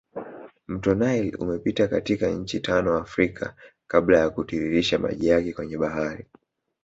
Mto nile umepita katika nchi tano Africa kabla ya kutiririsha maji yake kwenye bahari